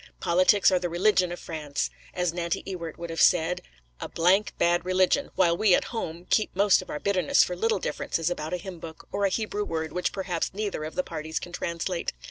Politics are the religion of France; as Nanty Ewart would have said, 'A d d bad religion'; while we, at home, keep most of our bitterness for little differences about a hymn book, or a Hebrew word which perhaps neither of the parties can translate.